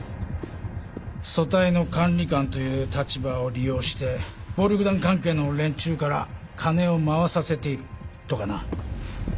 組対の管理官という立場を利用して暴力団関係の連中から金を回させているとかな。